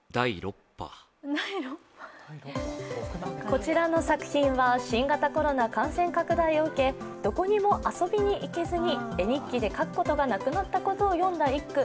こちらの作品は新型コロナ感染拡大を受けどこにも遊びに行けずに絵日記で書くことがなくなったことを詠んだ一句。